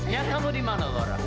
ya kamu di mana orang